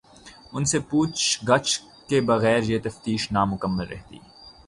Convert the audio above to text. ان سے پوچھ گچھ کے بغیر یہ تفتیش نامکمل رہتی۔